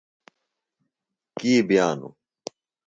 کی بئانوۡ؟